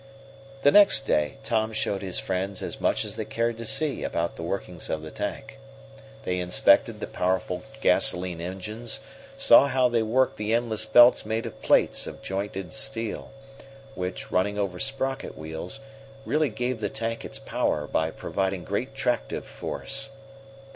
The next day Tom showed his friends as much as they cared to see about the workings of the tank. They inspected the powerful gasolene engines, saw how they worked the endless belts made of plates of jointed steel, which, running over sprocket wheels, really gave the tank its power by providing great tractive force.